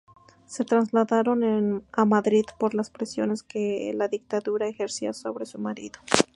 Se trasladaron a Madrid por las presiones que la dictadura ejercía sobre su marido.